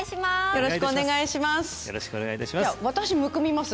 よろしくお願いします！